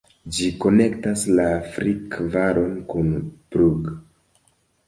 Ĝi konektas la Frick-Valon kun Brugg.